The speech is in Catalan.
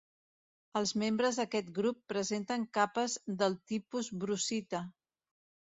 Els membres d'aquest grup presenten capes del tipus brucita.